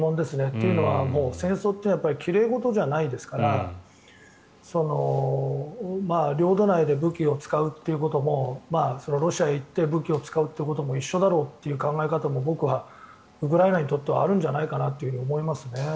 というのは戦争は奇麗事じゃないですから領土内で武器を使うってこともロシアへ行って武器を使うことも一緒だろうという考え方も僕はウクライナにとってはあるんじゃないかなと思いますね。